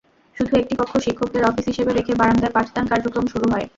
শুধু একটি কক্ষ শিক্ষকদের অফিস হিসেবে রেখে বারান্দায় পাঠদান কার্যক্রম শুরু হয়।